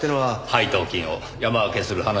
配当金を山分けする話ですね。